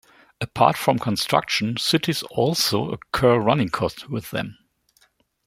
Apart from construction, cities also occur running costs with them.